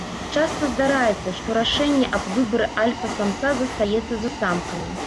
Часта здараецца, што рашэнне аб выбары альфа-самца застаецца за самкамі.